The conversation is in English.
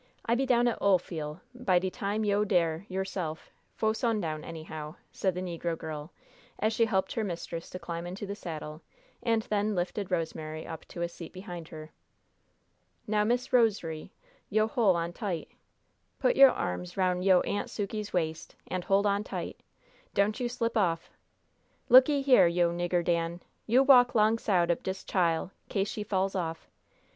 I be down at Olefiel' by de time yo' dere yo'se'f fo' sundown, anyhow," said the negro girl, as she helped her mistress to climb into the saddle, and then lifted Rosemary up to a seat behind her. "Now, Miss Rose'ry, yo' hole on tight. Put yo' arms 'roun' yo' Aunt Sukey's waist, and hole on tight. Don't you slip off! Look'ee here, yo' nigger Dan; yo' walk 'longside ob dis chile, case she fall off.